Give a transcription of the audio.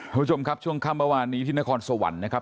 ผู้ชมครับช่วงคำประวัตินี้ที่นครสวรรค์นะครับ